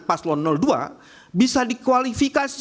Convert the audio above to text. paslon dua bisa dikualifikasi